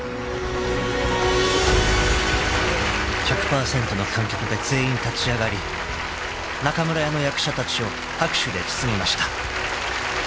［１００％の観客が全員立ち上がり中村屋の役者たちを拍手で包みました］